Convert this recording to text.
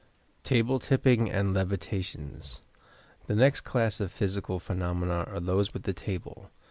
TABLE TIPPING AND "LEVfTATIONS" The next class of physical phenomena are those with the table.